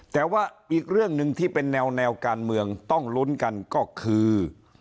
แต่ว่าอีกเรื่องหนึ่งที่เป็นแนวการเมืองต้องลุ้นกันก็คือ